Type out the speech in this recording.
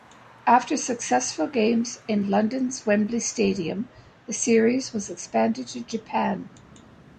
After successful games in London's Wembley Stadium, the series was expanded to Japan.